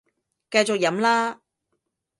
繼續飲啦